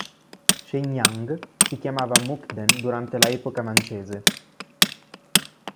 Shenyang si chiamava Mukden durante la epoca Mancese.